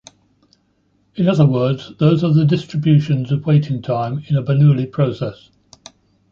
In other words those are the distributions of waiting time in a Bernoulli process.